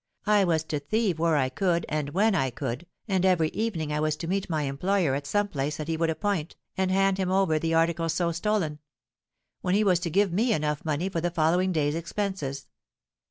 I was to thieve where I could and when I could, and every evening I was to meet my employer at some place that he would appoint, and hand him over the articles so stolen; when he was to give me enough money for the following day's expenses.